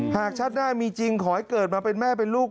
หากชาติหน้ามีจริงขอให้เกิดมาเป็นแม่เป็นลูก